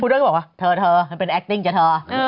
พูดเรื่องก็บอกว่าเธอเป็นแอคติ้งจ้ะเธอ